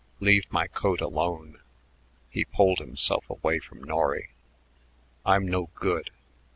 "Leave my coat alone." He pulled himself away from Norry. "I'm no good.